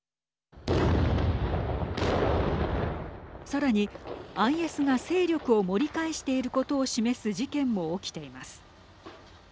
さらにＩＳが勢力を盛り返していることを示す事件も起きています。